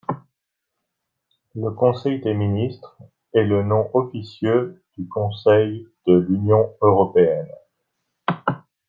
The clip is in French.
Le Conseil des ministres est le nom officieux du Conseil de l'Union européenne.